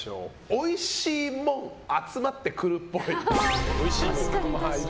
おいしいもん集まってくるっぽい。